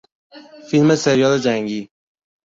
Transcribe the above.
فیلم سریال جنگی